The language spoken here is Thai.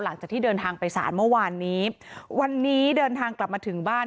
หลังจากที่เดินทางไปศาลเมื่อวานนี้วันนี้เดินทางกลับมาถึงบ้าน